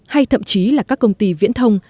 hay thậm chí là các công ty viễn thông